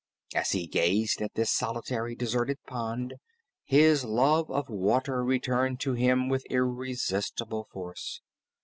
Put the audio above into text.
As he gazed at this solitary, deserted pond, his love for water returned to him with irresistible force.